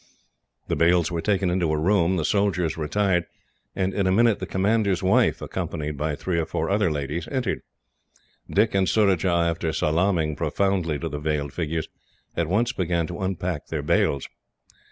The bales were taken into a room, the soldiers retired, and in a minute the commander's wife, accompanied by three or four other ladies, entered. Dick and Surajah, after salaaming profoundly to the veiled figures, at once began to unpack their bales.